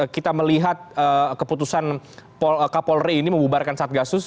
kita melihat keputusan kapolri ini membubarkan saat kasus